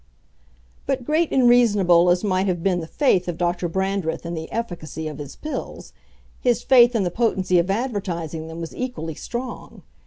But great and reasonable as might have been the faith of Dr. Brandreth in the efficacy of his pills, his faith in the potency of advertising them was equally strong.